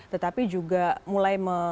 tetapi juga mulai